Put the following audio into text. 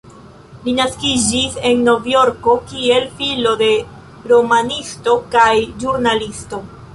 Li naskiĝis en Novjorko, kiel filo de romanisto kaj ĵurnalisto.